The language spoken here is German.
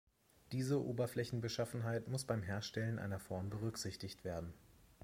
Diese Oberflächenbeschaffenheit muss beim Herstellen einer Form berücksichtigt werden.